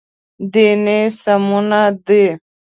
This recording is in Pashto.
دیني سمونه دی.